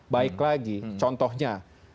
baik lagi contohnya